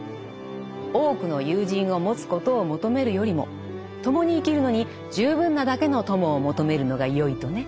多くの友人を持つことを求めるよりも共に生きるのに十分なだけの友を求めるのがよいとね。